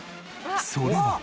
それは。